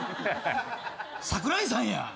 桜井さんや！